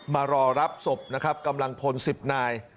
มารอรับศพกำลังฝนสิบนาย